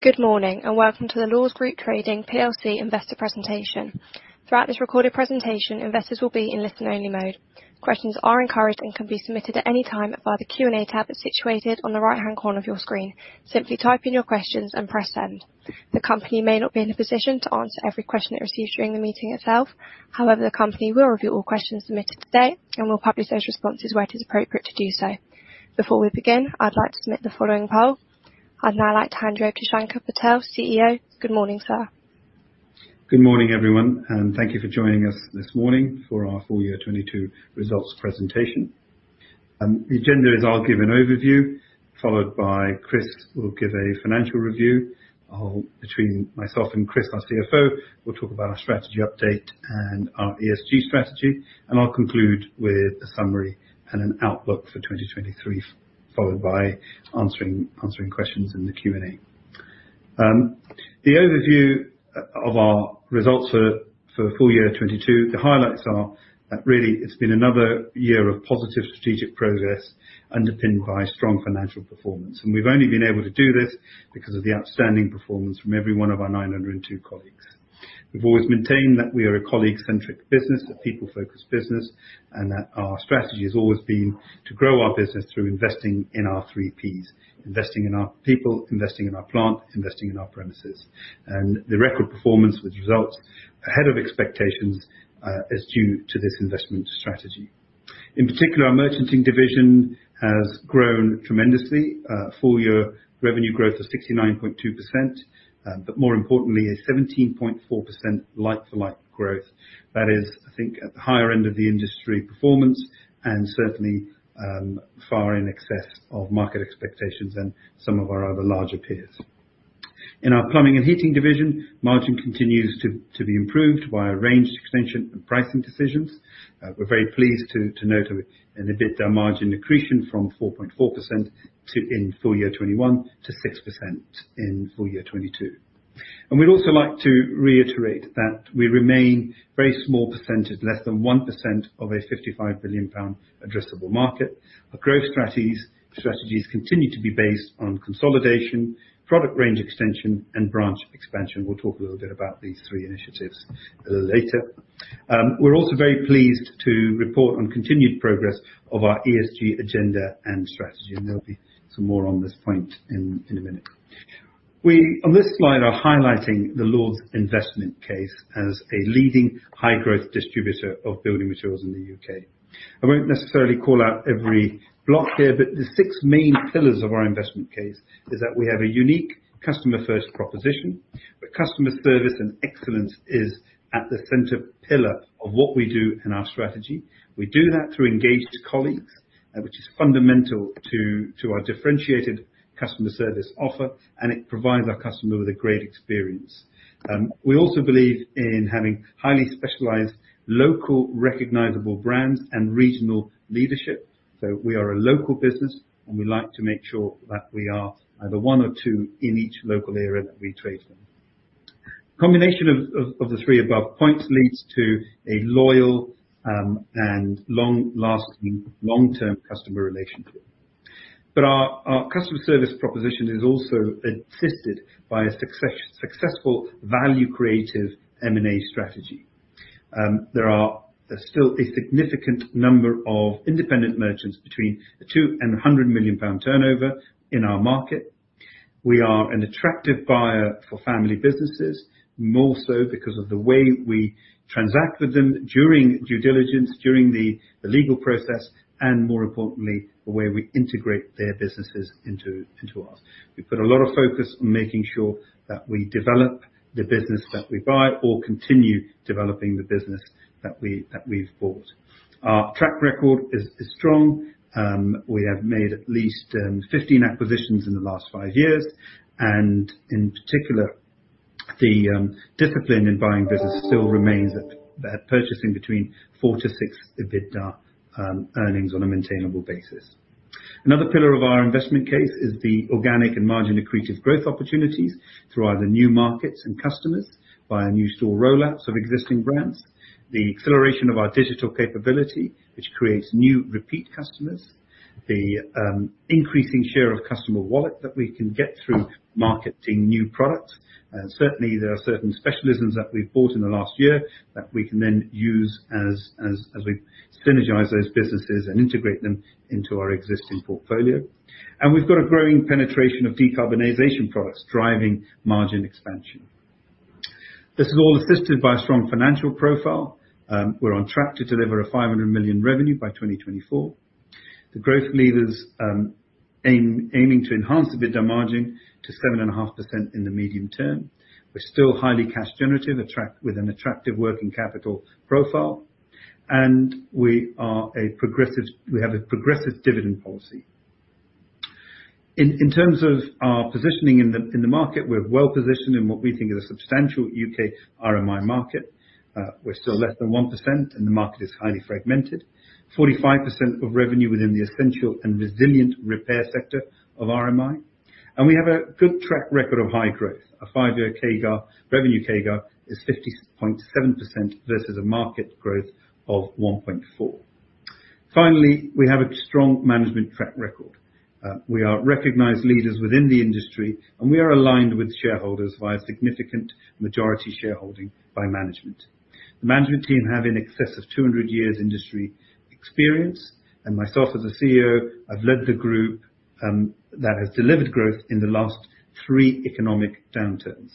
Good morning, and welcome to the Lords Group Trading Plc Investor Presentation. Throughout this recorded presentation, investors will be in listen-only mode. Questions are encouraged and can be submitted at any time via the Q&A tab situated on the right-hand corner of your screen. Simply type in your questions and press Send. The company may not be in a position to answer every question it receives during the meeting itself. However, the company will review all questions submitted today and will publish those responses where it is appropriate to do so. Before we begin, I'd like to submit the following poll. I'd now like to hand you over to Shanker Patel, CEO. Good morning, sir. Good morning, everyone, and thank you for joining us this morning for our full year 2022 results presentation. The agenda is I'll give an overview, followed by Chris will give a financial review. I'll, between myself and Chris, our CFO, we'll talk about our strategy update and our ESG strategy, and I'll conclude with a summary and an outlook for 2023, followed by answering questions in the Q&A. The overview of our results for full year 2022, the highlights are that really it's been another year of positive strategic progress underpinned by strong financial performance. We've only been able to do this because of the outstanding performance from every one of our 902 colleagues. We've always maintained that we are a colleague-centric business, a people-focused business, and that our strategy has always been to grow our business through investing in our three Ps: investing in our people, investing in our plant, investing in our premises. The record performance, which results ahead of expectations, is due to this investment strategy. In particular, our merchanting division has grown tremendously. Full year revenue growth of 69.2%, but more importantly, a 17.4% like-for-like growth. That is, I think, at the higher end of the industry performance and certainly, far in excess of market expectations and some of our other larger peers. In our plumbing and heating division, margin continues to be improved by a range extension and pricing decisions. We're very pleased to note an EBITDA margin accretion from 4.4% in full year 2021 to 6% in full year 2022. We'd also like to reiterate that we remain very small percentage, less than 1% of a 55 billion pound addressable market. Our growth strategies continue to be based on consolidation, product range extension and branch expansion. We'll talk a little bit about these three initiatives a little later. We're also very pleased to report on continued progress of our ESG agenda and strategy, and there'll be some more on this point in a minute. We, on this slide, are highlighting the Lords investment case as a leading high growth distributor of building materials in the UK. I won't necessarily call out every block here. The six main pillars of our investment case is that we have a unique customer first proposition. The customer service and excellence is at the center pillar of what we do in our strategy. We do that through engaged colleagues, which is fundamental to our differentiated customer service offer, and it provides our customer with a great experience. We also believe in having highly specialized, local, recognizable brands and regional leadership. We are a local business, and we like to make sure that we are either one or two in each local area that we trade in. Combination of the three above points leads to a loyal, and long-lasting, long-term customer relationship. Our, our customer service proposition is also assisted by a successful value creative M&A strategy. There are still a significant number of independent merchants between 2 and 100 million pound turnover in our market. We are an attractive buyer for family businesses, more so because of the way we transact with them during due diligence, during the legal process, and more importantly, the way we integrate their businesses into ours. We've put a lot of focus on making sure that we develop the business that we buy or continue developing the business that we've bought. Our track record is strong. We have made at least 15 acquisitions in the last five years, in particular, the discipline in buying business still remains at purchasing between 4-6x EBITDA earnings on a maintainable basis. Another pillar of our investment case is the organic and margin accretive growth opportunities through either new markets and customers via new store rollouts of existing brands, the acceleration of our digital capability, which creates new repeat customers, the increasing share of customer wallet that we can get through marketing new products. Certainly there are certain specialisms that we've bought in the last year that we can then use as we synergize those businesses and integrate them into our existing portfolio. We've got a growing penetration of decarbonization products driving margin expansion. This is all assisted by a strong financial profile. We're on track to deliver a 500 million revenue by 2024. The growth leaders aiming to enhance EBITDA margin to 7.5% in the medium term. We're still highly cash generative, with an attractive working capital profile, and we have a progressive dividend policy. In terms of our positioning in the market, we're well positioned in what we think is a substantial U.K. RMI market. We're still less than 1% and the market is highly fragmented. 45% of revenue within the essential and resilient repair sector of RMI. We have a good track record of high growth. A five-year CAGR, revenue CAGR is 50.7% versus a market growth of 1.4%. We have a strong management track record. We are recognized leaders within the industry, and we are aligned with shareholders via significant majority shareholding by management. The management team have in excess of 200 years industry experience, and myself as the CEO, I've led the group, that has delivered growth in the last three economic downturns.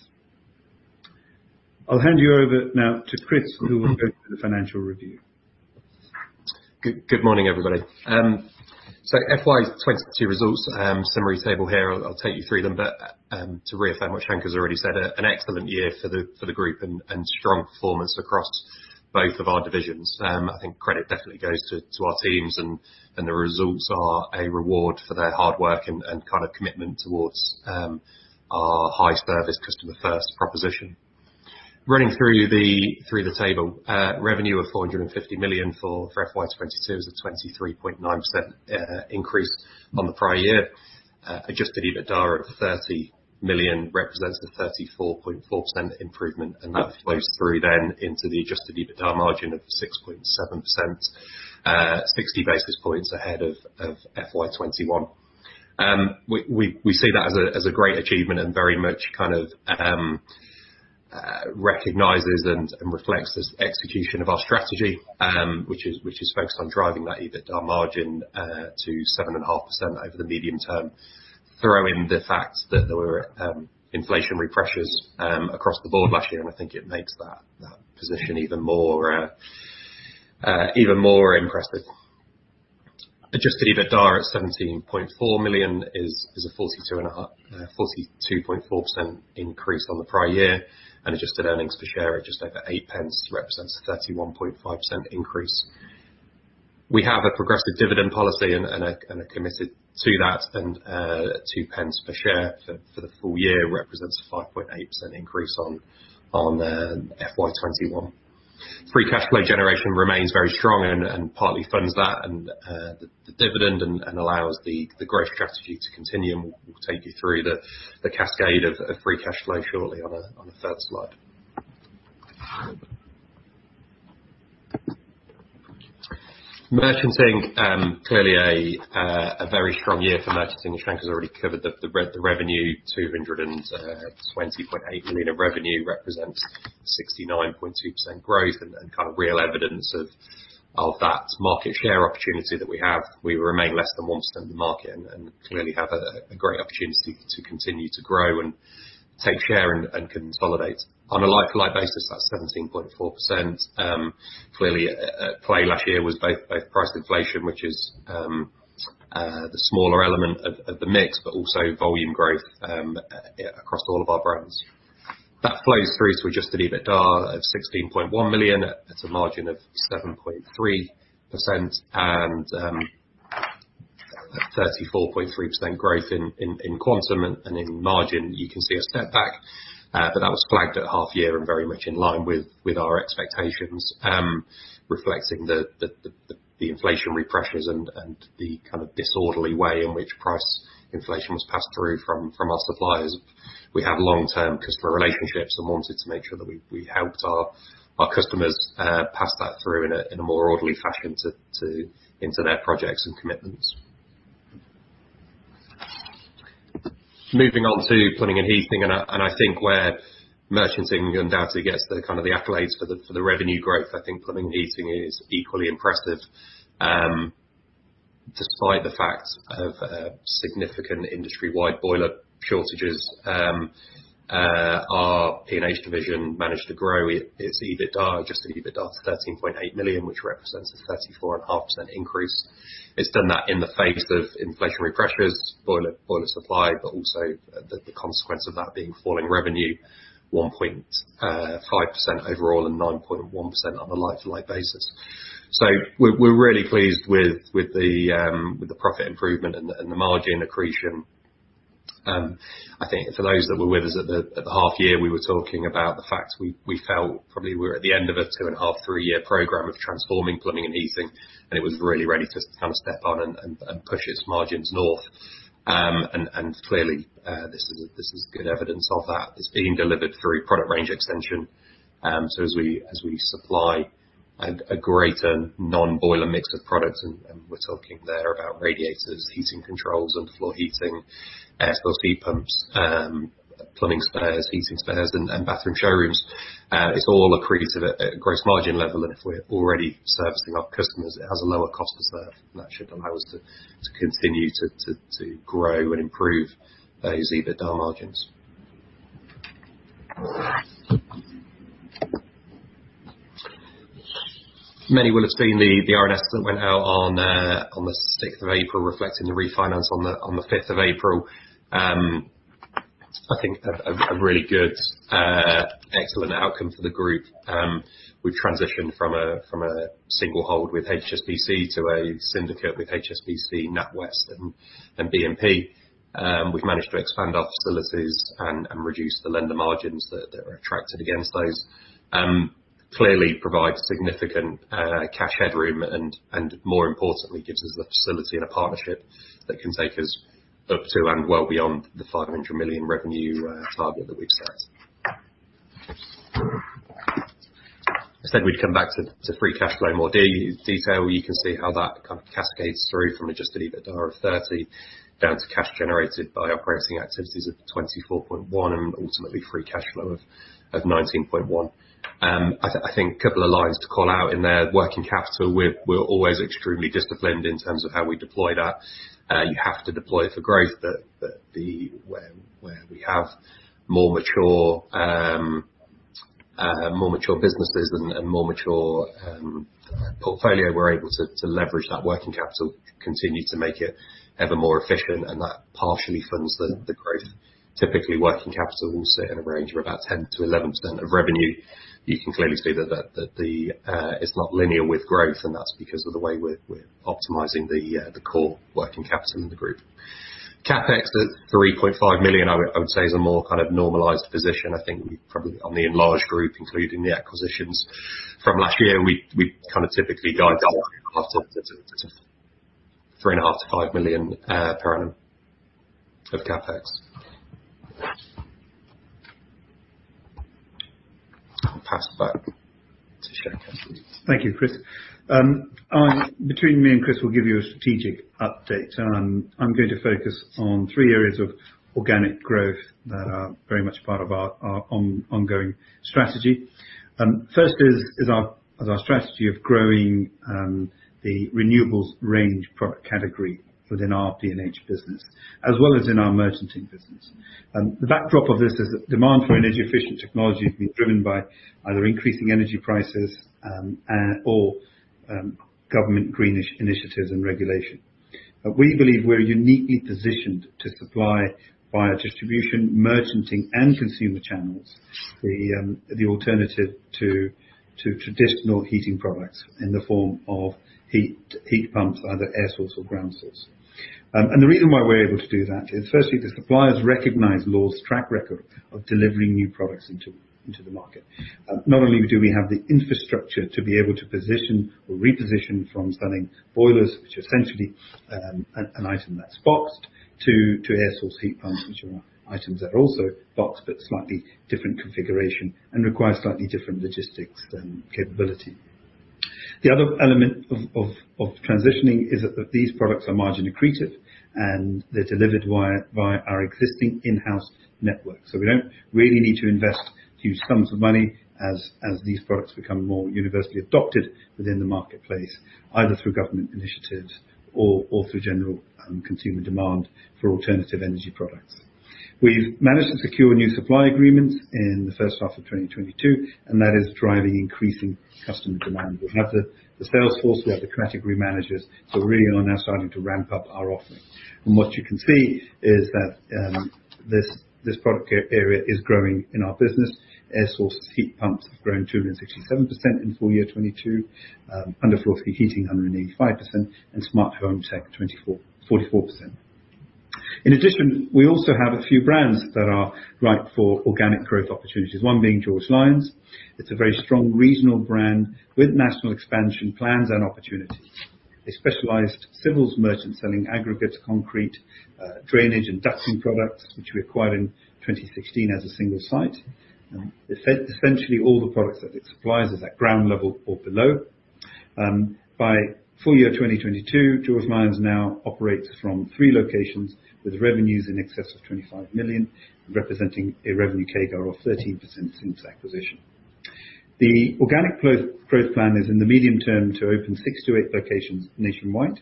I'll hand you over now to Chris, who will go through the financial review. Good morning, everybody. FY 2022 results, summary table here. I'll take you through them. To reaffirm what Shanker has already said, an excellent year for the group and strong performance across both of our divisions. I think credit definitely goes to our teams and the results are a reward for their hard work and kind of commitment towards our high service customer first proposition. Running through the table, revenue of 450 million for FY 2022 is a 23.9% increase on the prior year. Adjusted EBITDA of 30 million represents the 34.4% improvement, and that flows through into the adjusted EBITDA margin of 6.7%, 60 basis points ahead of FY 2021. We see that as a great achievement and very much kind of recognizes and reflects this execution of our strategy, which is focused on driving that EBITDA margin to 7.5% over the medium term. Throw in the fact that there were inflationary pressures across the board last year, I think it makes that position even more impressive. Adjusted EBITDA at 17.4 million is a 42.4% increase on the prior year, and adjusted earnings per share at just over 0.08 represents a 31.5% increase. We have a progressive dividend policy and are committed to that, and 0. 02 per share for the full year represents a 5.8% increase on FY 2021. Free cash flow generation remains very strong and partly funds that and the dividend and allows the growth strategy to continue. We'll take you through the cascade of free cash flow shortly on the third slide. Merchandising, clearly a very strong year for merchandising. Shanker has already covered the revenue, 220.8 million of revenue represents 69.2% growth and kind of real evidence of that market share opportunity that we have. We remain less than 1% of the market and clearly have a great opportunity to continue to grow and take share and consolidate. On a like-for-like basis, that's 17.4%. Clearly, at play last year was both price inflation, which is the smaller element of the mix, but also volume growth across all of our brands. That flows through to adjusted EBITDA of 16.1 million. That's a margin of 7.3%. 34.3% growth in quantum and in margin, you can see a step back. That was flagged at half year and very much in line with our expectations, reflecting the inflationary pressures and the kind of disorderly way in which price inflation was passed through from our suppliers. We have long-term customer relationships and wanted to make sure that we helped our customers pass that through in a more orderly fashion into their projects and commitments. Moving on to Plumbing and Heating. I think where merchanting undoubtedly gets the kind of the accolades for the revenue growth, I think Plumbing and Heating is equally impressive. Despite the fact of significant industry-wide boiler shortages, our P&H division managed to grow. Its EBITDA, adjusted EBITDA to 13.8 million, which represents a 34.5% increase. It's done that in the face of inflationary pressures, boiler supply, but also the consequence of that being falling revenue, 1.5% overall and 9.1% on a like-for-like basis We're really pleased with the profit improvement and the margin accretion. I think for those that were with us at the half year, we were talking about the fact we felt probably we're at the end of a two and a half, three year program of transforming plumbing and heating, and it was really ready to kind of step on and push its margins north. Clearly, this is good evidence of that. It's being delivered through product range extension. As we supply a greater non-boiler mix of products, and we're talking there about radiators, heating controls, underfloor heating, air source heat pumps, plumbing spares, heating spares, and bathroom showrooms, it's all accretive at gross margin level. If we're already servicing our customers, it has a lower cost to serve. That should allow us to continue to grow and improve those EBITDA margins. Many will have seen the RNS that went out on the sixth of April, reflecting the refinance on the fifth of April. I think a really good excellent outcome for the group. We've transitioned from a single hold with HSBC to a syndicate with HSBC, NatWest, and BNP. We've managed to expand our facilities and reduce the lender margins that were attracted against those. Clearly provides significant cash headroom and, more importantly, gives us the facility and a partnership that can take us up to and well beyond the 500 million revenue target that we've set. I said we'd come back to free cash flow in more detail. You can see how that kind of cascades through from adjusted EBITDA of 30 down to cash generated by our pricing activities of 24.1, and ultimately, free cash flow of 19.1. I think couple of lines to call out in there, working capital, we're always extremely disciplined in terms of how we deploy that. You have to deploy for growth, but where we have more mature businesses and more mature portfolio, we're able to leverage that working capital, continue to make it ever more efficient, and that partially funds the growth. Typically, working capital will sit in a range of about 10%-11% of revenue. You can clearly see that the it's not linear with growth, and that's because of the way we're optimizing the core working capital in the group. CapEx at 3.5 million I would say is a more kind of normalized position. I think we probably on the enlarged group, including the acquisitions from last year, we kind of typically guide our 3.5 million-5 million per annum of CapEx. I'll pass back to Shanker. Thank you, Chris. Between me and Chris, we'll give you a strategic update. I'm going to focus on three areas of organic growth that are very much part of our ongoing strategy. First is our strategy of growing the renewables range product category within our P&H business, as well as in our merchanting business. The backdrop of this is that demand for energy efficient technology has been driven by either increasing energy prices or government greenish initiatives and regulation. We believe we're uniquely positioned to supply via distribution, merchanting, and consumer channels, the alternative to traditional heating products in the form of heat pumps, either air source or ground source. The reason why we're able to do that is firstly, the suppliers recognize Lords track record of delivering new products into the market. Not only do we have the infrastructure to be able to position or reposition from selling boilers, which are essentially an item that's boxed, to air source heat pumps, which are items that are also boxed but slightly different configuration and require slightly different logistics and capability. The other element of transitioning is that these products are margin accretive, and they're delivered via our existing in-house network. We don't really need to invest huge sums of money as these products become more universally adopted within the marketplace, either through government initiatives or through general consumer demand for alternative energy products. We've managed to secure new supply agreements in the first half of 2022. That is driving increasing customer demand. We have the sales force, we have the category managers, really are now starting to ramp up our offering. What you can see is that this product area is growing in our business. air source heat pumps have grown 267% in full year 22. underfloor heating, 185%, smart home tech, 44%. In addition, we also have a few brands that are ripe for organic growth opportunities, one being George Lines. It's a very strong regional brand with national expansion plans and opportunities. A specialized civils merchant selling aggregate concrete, drainage and ducting products, which we acquired in 2016 as a single site. Essentially all the products that it supplies is at ground level or below. By full year 2022, George Lines now operates from three locations with revenues in excess of 25 million, representing a revenue CAGR of 13% since acquisition. The organic growth plan is in the medium term to open six to eight locations nationwide.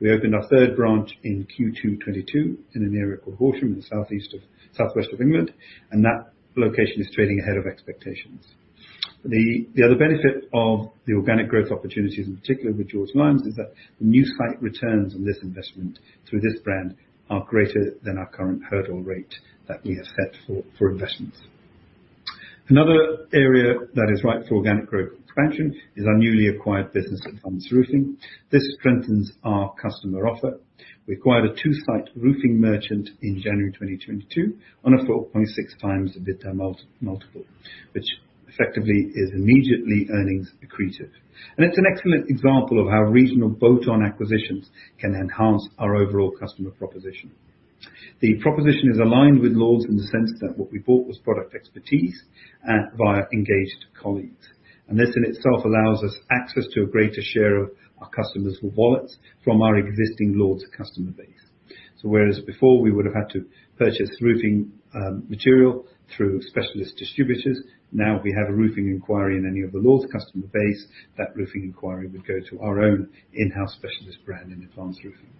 We opened our third branch in Q2 2022 in an area called Horsham, in the southwest of England. That location is trading ahead of expectations. The other benefit of the organic growth opportunities, in particular with George Lines, is that the new site returns on this investment through this brand are greater than our current hurdle rate that we have set for investments. Another area that is ripe for organic growth expansion is our newly acquired business at Advanced Roofing. This strengthens our customer offer. We acquired a two-site roofing merchant in January 2022 on a 4.6x the EBITDA multiple, which effectively is immediately earnings accretive. It's an excellent example of how regional bolt-on acquisitions can enhance our overall customer proposition. The proposition is aligned with Lords in the sense that what we bought was product expertise via engaged colleagues. This in itself allows us access to a greater share of our customers' wallets from our existing Lords customer base. Whereas before we would have had to purchase roofing material through specialist distributors, now if we have a roofing inquiry in any of the Lords customer base, that roofing inquiry would go to our own in-house specialist brand in Advanced Roofing.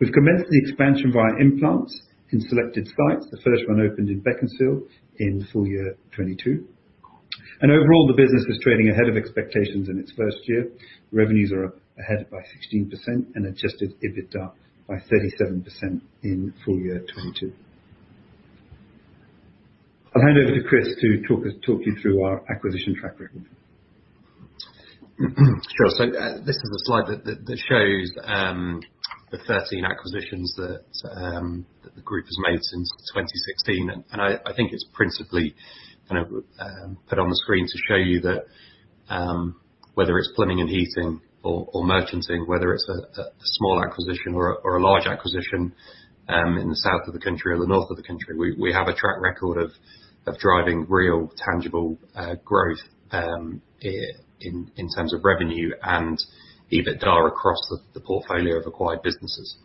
We've commenced the expansion via implants in selected sites. The first one opened in Beaconsfield in full year 2022. Overall, the business was trading ahead of expectations in its first year. Revenues are up ahead by 16% and adjusted EBITDA by 37% in full year 2022. I'll hand over to Chris to talk you through our acquisition track record. Sure. This is a slide that shows the 13 acquisitions that the group has made since 2016. I think it's principally, kind of, put on the screen to show you whether it's plumbing and heating or merchanting, whether it's a small acquisition or a large acquisition, in the south of the country or the north of the country, we have a track record of driving real tangible growth in terms of revenue and EBITDA across the portfolio of acquired businesses.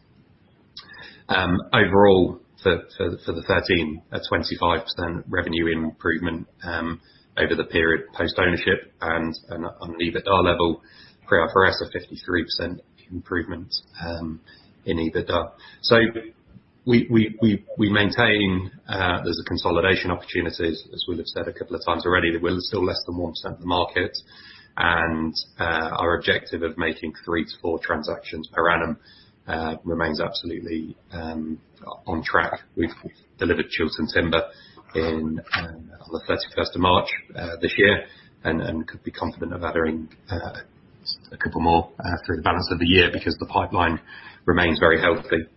Overall, for the 13 at 25% revenue improvement over the period post-ownership and on an EBITDA level, prior for us a 53% improvement in EBITDA. We maintain there's a consolidation opportunities, as we would have said a couple of times already, that there's still less than 1% of the market. Our objective of making three to four transactions per annum remains absolutely on track. We've delivered Chiltern Timber in on the 31st of March this year, and could be confident of adding a couple more through the balance of the year because the pipeline remains very healthy.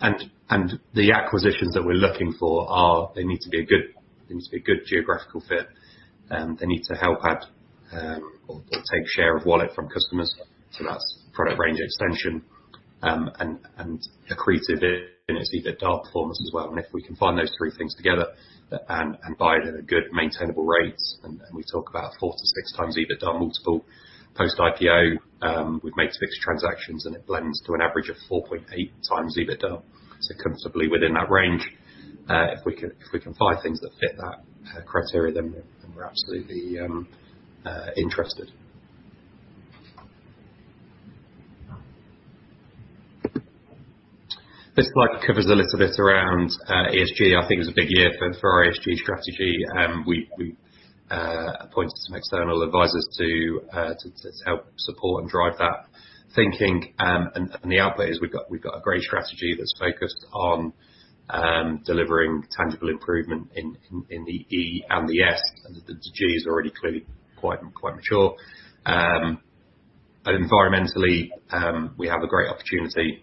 The acquisitions that we're looking for are they need to be a good geographical fit, they need to help out or take share of wallet from customers, so that's product range extension, and accretive in its EBITDA performance as well. If we can find those three things together and buy them at good maintainable rates. We talk about 4x-6x EBITDA multiple post IPO, we've made six transactions, and it blends to an average of 4.8x EBITDA. Comfortably within that range, if we can find things that fit that criteria, then we're absolutely interested. This slide covers a little bit around ESG. I think it was a big year for our ESG strategy. We appointed some external advisors to help support and drive that thinking. The output is we've got a great strategy that's focused on delivering tangible improvement in the E and the S. The G is already clearly quite mature. Environmentally, we have a great opportunity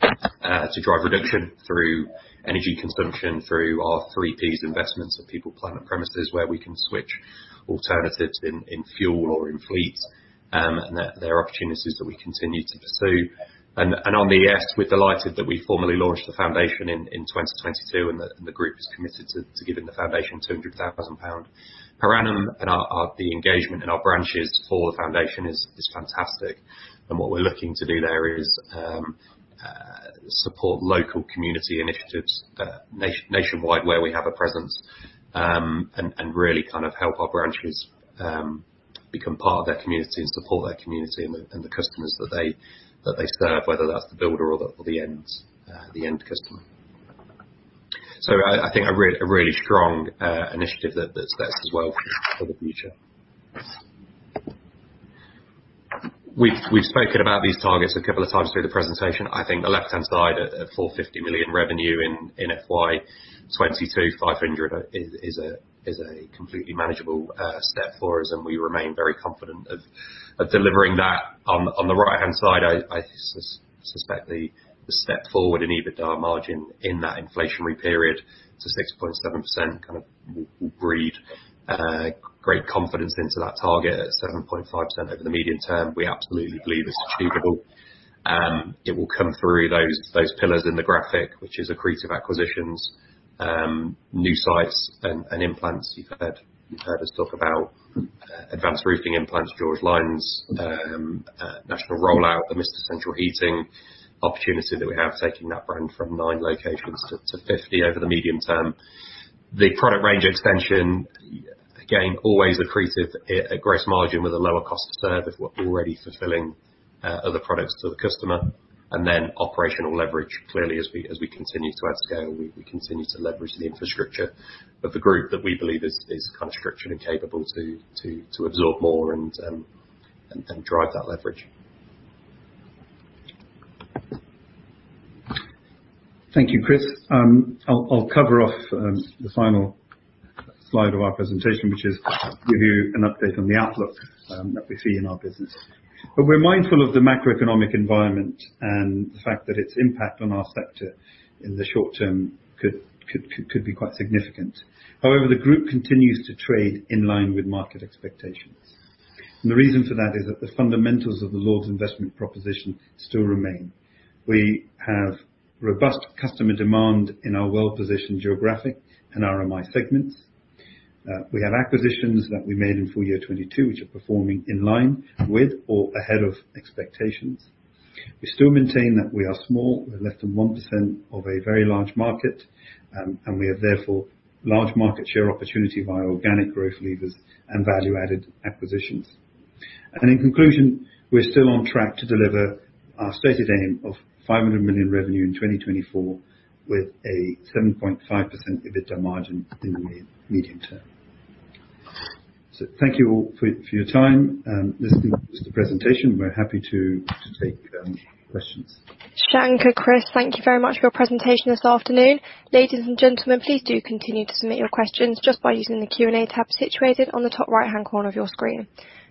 to drive reduction through energy consumption, through our three Ps investments of people, plant, premises, where we can switch alternatives in fuel or in fleets. There are opportunities that we continue to pursue. On the S, we're delighted that we formally launched the Lords Group Foundation in 2022, and the group is committed to giving the Lords Group Foundation 200,000 pound per annum. The engagement in our branches for the Lords Group Foundation is fantastic. What we're looking to do there is support local community initiatives, nationwide where we have a presence, and really kind of help our branches become part of their community and support their community and the customers that they serve, whether that's the builder or the end customer. I think a really, really strong initiative that sets us well for the future. We've spoken about these targets a couple of times through the presentation. I think the left-hand side at 450 million revenue in FY 2022, 500 million is a completely manageable step for us, and we remain very confident of delivering that. On the right-hand side, I suspect the step forward in EBITDA margin in that inflationary period to 6.7% kind of will breed great confidence into that target at 7.5% over the medium term. We absolutely believe it's achievable. It will come through those pillars in the graphic, which is accretive acquisitions, new sites and implants. You've heard us talk about Advanced Roofing implants, George Lines, national rollout, the Mr Central Heating opportunity that we have, taking that brand from nine locations to 50 over the medium term. The product range extension, again, always accretive at gross margin with a lower cost to serve if we're already fulfilling other products to the customer. Then operational leverage. Clearly, as we continue to add scale, we continue to leverage the infrastructure of the group that we believe is kind of structured and capable to absorb more and drive that leverage. Thank you, Chris. I'll cover off the final slide of our presentation, which is give you an update on the outlook that we see in our business. We're mindful of the macroeconomic environment and the fact that its impact on our sector in the short term could be quite significant. However, the group continues to trade in line with market expectations. The reason for that is that the fundamentals of the Lords investment proposition still remain. We have robust customer demand in our well-positioned geographic and RMI segments. We have acquisitions that we made in full year 2022, which are performing in line with or ahead of expectations. We still maintain that we are small, we're less than 1% of a very large market, and we have therefore large market share opportunity via organic growth levers and value-added acquisitions. In conclusion, we're still on track to deliver our stated aim of 500 million revenue in 2024 with a 7.5% EBITDA margin in the medium term. Thank you all for your time and listening to the presentation. We're happy to take questions. Shanker, Chris, thank you very much for your presentation this afternoon. Ladies and gentlemen, please do continue to submit your questions just by using the Q&A tab situated on the top right-hand corner of your screen.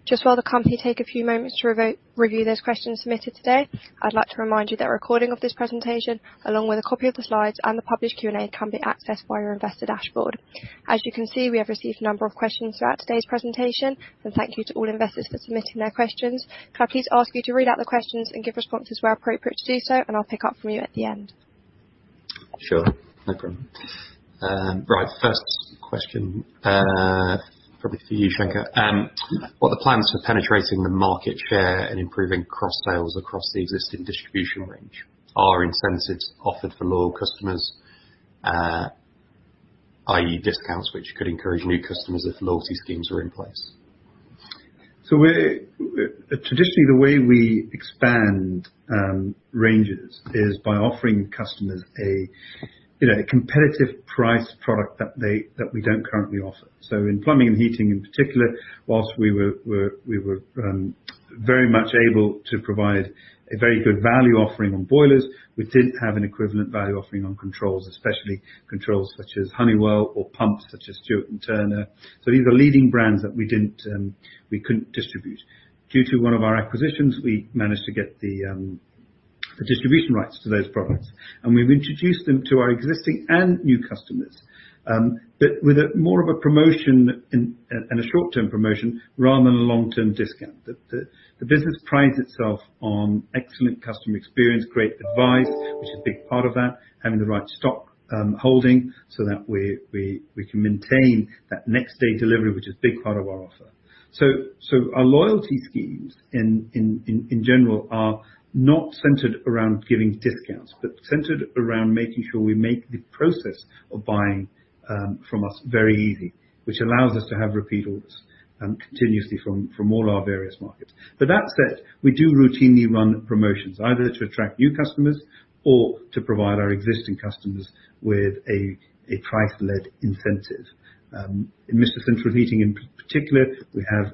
Just while the company take a few moments to review those questions submitted today, I'd like to remind you that a recording of this presentation, along with a copy of the slides and the published Q&A, can be accessed via your investor dashboard. As you can see, we have received a number of questions throughout today's presentation. Thank you to all investors for submitting their questions. Can I please ask you to read out the questions and give responses where appropriate to do so, and I'll pick up from you at the end. Sure. No problem. First question, probably for you, Shanker. What are the plans for penetrating the market share and improving cross sales across the existing distribution range? Are incentives offered for loyal customers, i.e., discounts which could encourage new customers if loyalty schemes were in place? Traditionally, the way we expand ranges is by offering customers a, you know, a competitive price product that we don't currently offer. In plumbing and heating in particular, whilst we were very much able to provide a very good value offering on boilers, we didn't have an equivalent value offering on controls, especially controls such as Honeywell or pumps such as Stuart Turner. These are leading brands that we didn't, we couldn't distribute. Due to one of our acquisitions, we managed to get the distribution rights to those products, and we've introduced them to our existing and new customers. But with a more of a promotion and a short-term promotion rather than a long-term discount. The business prides itself on excellent customer experience, great advice, which is a big part of that. Having the right stock holding so that we can maintain that next day delivery, which is a big part of our offer. Our loyalty schemes in general are not centered around giving discounts, but centered around making sure we make the process of buying from us very easy, which allows us to have repeat orders continuously from all our various markets. That said, we do routinely run promotions either to attract new customers or to provide our existing customers with a price-led incentive. In Mr. Central Heating in particular, we have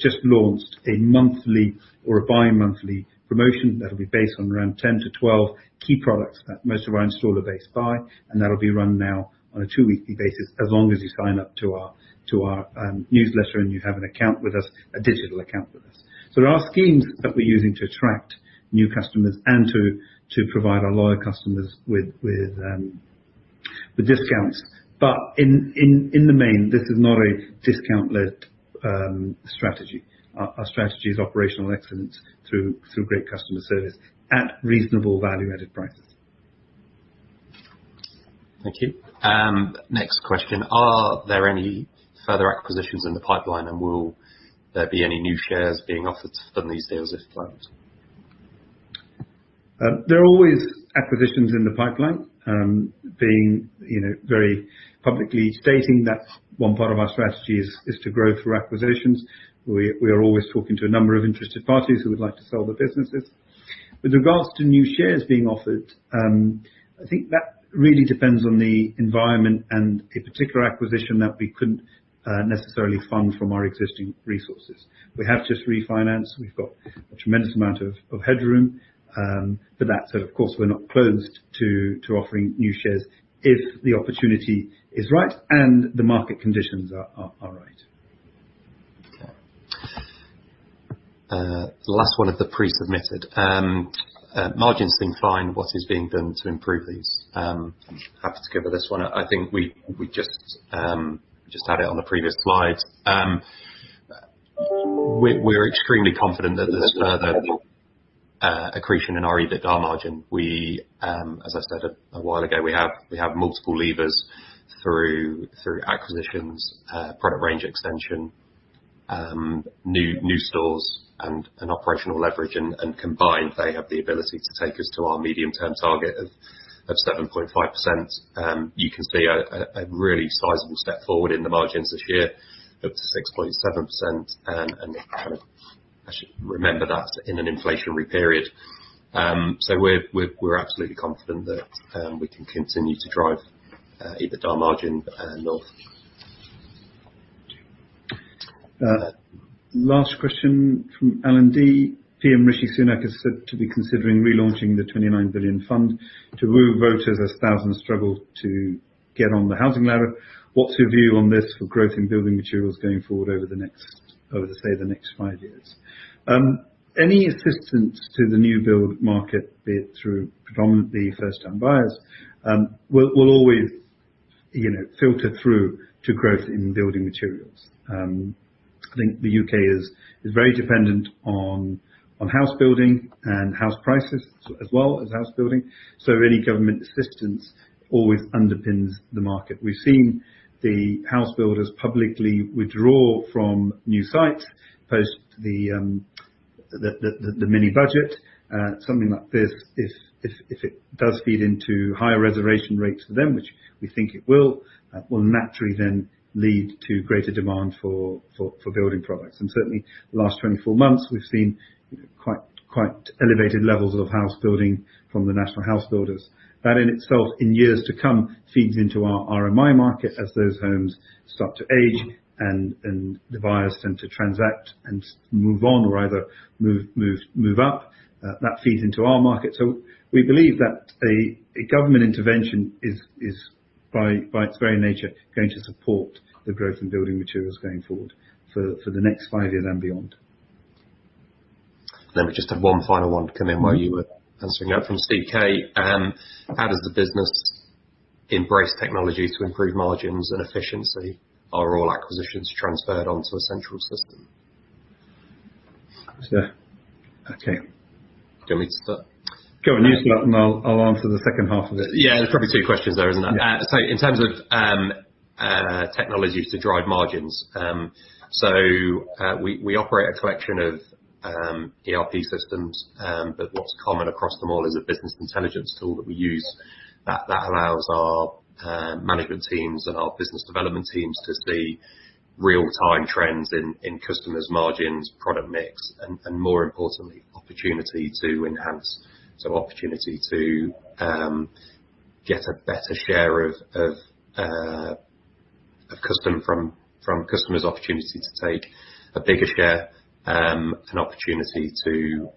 just launched a monthly or a bi-monthly promotion that will be based on around 10 to 12 key products that most of our installer base buy, and that'll be run now on a two-weekly basis as long as you sign up to our newsletter and you have an account with us, a digital account with us. There are schemes that we're using to attract new customers and to provide our loyal customers with discounts. In the main, this is not a discount-led strategy. Our strategy is operational excellence through great customer service at reasonable value-added prices. Thank you. Next question. Are there any further acquisitions in the pipeline and will there be any new shares being offered from these deals if planned? There are always acquisitions in the pipeline, being, you know, very publicly stating that one part of our strategy is to grow through acquisitions. We are always talking to a number of interested parties who would like to sell their businesses. With regards to new shares being offered, I think that really depends on the environment and a particular acquisition that we couldn't necessarily fund from our existing resources. We have just refinanced. We've got a tremendous amount of headroom for that. Of course, we're not closed to offering new shares if the opportunity is right and the market conditions are right. Okay. The last one of the pre-submitted. Margins being fine, what is being done to improve these? I'm happy to cover this one. I think we just had it on the previous slide. We're extremely confident that there's further accretion in our EBITDA margin. As I said a while ago, we have multiple levers through acquisitions, product range extension, new stores and operational leverage, and combined, they have the ability to take us to our medium-term target of 7.5%. You can see a really sizable step forward in the margins this year of 6.7%. Kind of actually remember that in an inflationary period. We're absolutely confident that we can continue to drive EBITDA margin north. Last question from LND. PM Rishi Sunak is said to be considering relaunching the 29 billion fund to woo voters as thousands struggle to get on the housing ladder. What's your view on this for growth in building materials going forward over the next, over the say the next five years? Any assistance to the new build market, be it through predominantly first-time buyers, will always, you know, filter through to growth in building materials. I think the U.K. is very dependent on house building and house prices as well as house building. Any government assistance always underpins the market. We've seen the house builders publicly withdraw from new sites, post the mini budget. Something like this if, if it does feed into higher reservation rates for them, which we think it will naturally then lead to greater demand for building products. Certainly the last 24 months, we've seen quite elevated levels of housebuilding from the national housebuilders. That in itself, in years to come, feeds into our RMI market as those homes start to age and the buyers tend to transact and move on or either move up. That feeds into our market. We believe that a government intervention is by its very nature, going to support the growth in building materials going forward for the next 5 years and beyond. Let me just have one final one come in while you were answering that from CK. How does the business embrace technology to improve margins and efficiency? Are all acquisitions transferred onto a central system? Yeah. Okay. Do you want me to start? Go on, you start and I'll answer the second half of it. Yeah, there's probably 2 questions there, isn't it? Yeah. In terms of technology to drive margins. We operate a collection of ERP systems, but what's common across them all is a business intelligence tool that we use that allows our management teams and our business development teams to see real time trends in customers' margins, product mix, and more importantly, opportunity to enhance. Opportunity to get a better share of custom from customers. Opportunity to take a bigger share, an opportunity to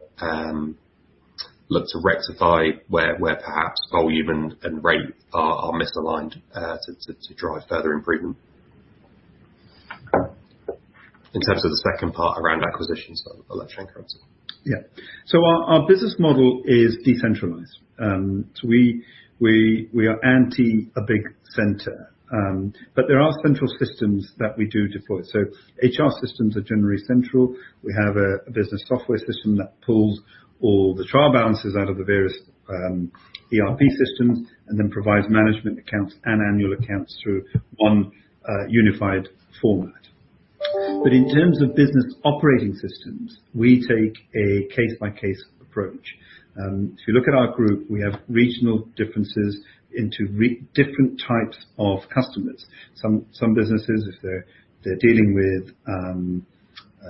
look to rectify where perhaps volume and rate are misaligned to drive further improvement. In terms of the second part around acquisitions, I'll let you take that one. Yeah. Our business model is decentralized. We are anti a big center. There are central systems that we do deploy. HR systems are generally central. We have a business software system that pulls all the trial balances out of the various ERP systems, and then provides management accounts and annual accounts through one unified format. In terms of business operating systems, we take a case-by-case approach. If you look at our group, we have regional differences into different types of customers. Some businesses, if they're dealing with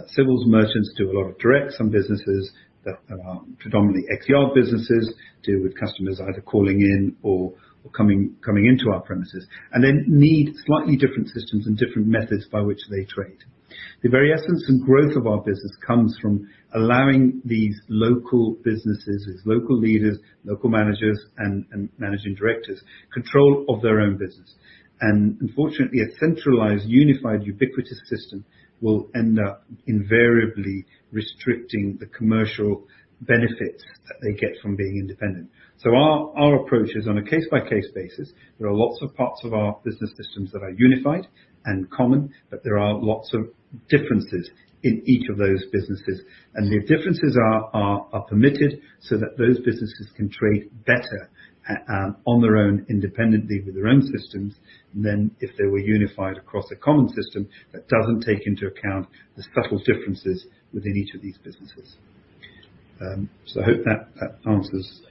civils merchants, do a lot of direct. Some businesses that are predominantly ex-yard businesses deal with customers either calling in or coming into our premises, and they need slightly different systems and different methods by which they trade. The very essence and growth of our business comes from allowing these local businesses with local leaders, local managers and managing directors, control of their own business. Unfortunately, a centralized, unified, ubiquitous system will end up invariably restricting the commercial benefit that they get from being independent. Our approach is on a case-by-case basis. There are lots of parts of our business systems that are unified and common, but there are lots of differences in each of those businesses. The differences are permitted so that those businesses can trade better on their own independently with their own systems than if they were unified across a common system that doesn't take into account the subtle differences within each of these businesses. I hope that answers.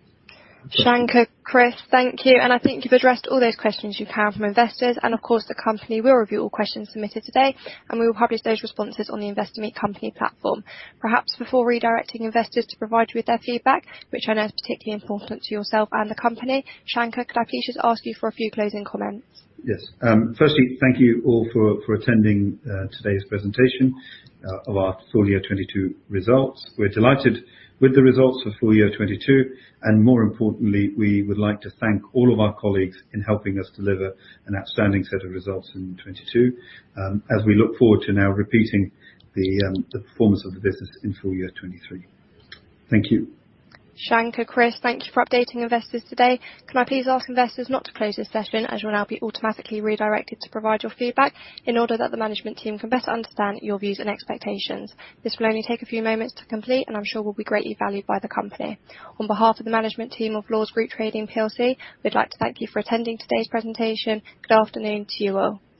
Shanker, Chris, thank you. I think you've addressed all those questions you've had from investors, and of course, the company will review all questions submitted today, and we will publish those responses on the Investor Meet Company platform. Perhaps before redirecting investors to provide you with their feedback, which I know is particularly important to yourself and the company, Shanker, could I please just ask you for a few closing comments? Yes. Firstly, thank you all for attending today's presentation of our full year 2022 results. We're delighted with the results for full year 2022, more importantly, we would like to thank all of our colleagues in helping us deliver an outstanding set of results in 2022, as we look forward to now repeating the performance of the business in full year 2023. Thank you. Shanker, Chris, thank you for updating investors today. Can I please ask investors not to close this session, as you will now be automatically redirected to provide your feedback in order that the management team can better understand your views and expectations. This will only take a few moments to complete, and I'm sure will be greatly valued by the company. On behalf of the management team of Lords Group Trading plc, we'd like to thank you for attending today's presentation. Good afternoon to you all.